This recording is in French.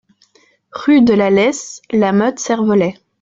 Rue de la Leysse, La Motte-Servolex